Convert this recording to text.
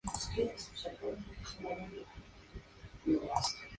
Posteriormente, la sede del Colegio se trasladó a los arrabales de la población.